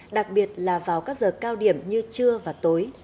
đặc biệt là vào các giờ cao điểm như trưa và tối